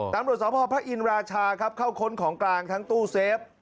ตำรวจสพพระอินราชาครับเข้าค้นของกลางทั้งตู้เซฟ